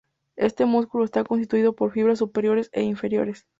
Este músculo está constituido por fibras superiores e inferiores.